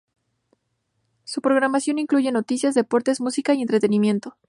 Su programación incluye noticias, deportes, música y entretenimiento.